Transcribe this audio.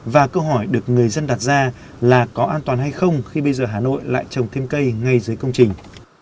và câu hỏi được người dân đặt ra là có an toàn hay không khi bây giờ hà nội lại trồng thêm cây ngay dưới công trình